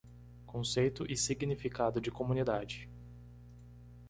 Conceito e Significado de Comunidade.